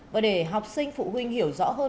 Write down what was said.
và để học sinh phụ huynh hiểu rõ hơn